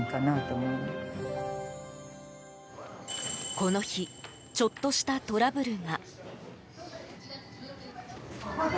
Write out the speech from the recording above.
この日ちょっとしたトラブルが。